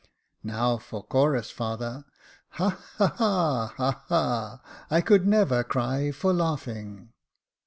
" Now for chorus, father. "Hal ha! ha! Ha! ha f I could never cry for laughing.